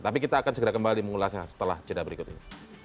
tapi kita akan segera kembali mengulasnya setelah jeda berikut ini